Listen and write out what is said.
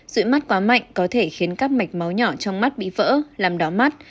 dị mắt quá mạnh có thể khiến các mạch máu nhỏ trong mắt bị vỡ làm đó mắt